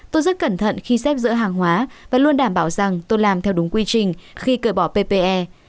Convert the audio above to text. tôi rất cẩn thận khi xếp dỡ hàng hóa và luôn đảm bảo rằng tôi làm theo đúng quy trình khi cởi bỏ pe